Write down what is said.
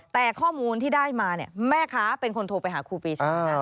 แต่ข้อมูลที่ได้มาแม่คะเป็นคนโทรไปหาครูปริชา